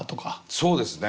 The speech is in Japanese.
そうですね。